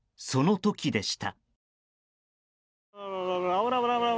その時でした。